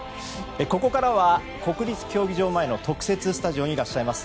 ここからは国立競技場前の特設スタジオにいらっしゃいます。